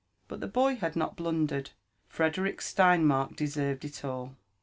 But the boy had not blundered — Frederick Steinmark deserved it all.